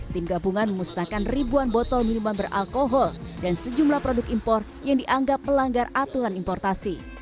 tim gabungan memusnahkan ribuan botol minuman beralkohol dan sejumlah produk impor yang dianggap melanggar aturan importasi